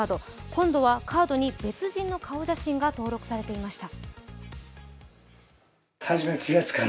今度はカードに別人の顔写真が登録されていました。